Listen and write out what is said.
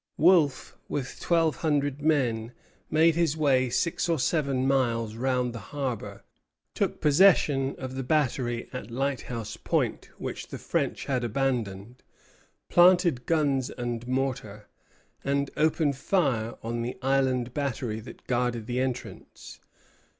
Wolfe, with twelve hundred men, made his way six or seven miles round the harbor, took possession of the battery at Lighthouse Point which the French had abandoned, planted guns and mortars, and opened fire on the Island Battery that guarded the entrance.